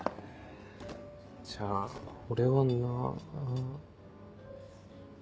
じゃあ俺はナ。